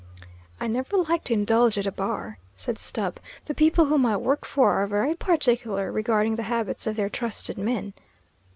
"I never like to indulge at a bar," said Stubb. "The people whom I work for are very particular regarding the habits of their trusted men."